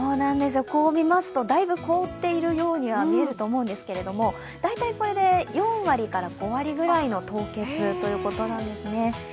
こう見ますとだいぶ凍っているように見えると思うんですけど大体これで４割から５割くらいの凍結ということなんですね。